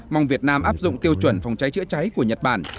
mong việt nam áp dụng tiêu chuẩn phòng cháy chữa cháy của nhật bản